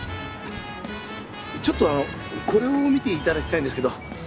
ちょっとこれを見て頂きたいんですけど。